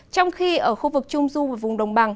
trong khi ở khu vực trung du và vùng đồng bằng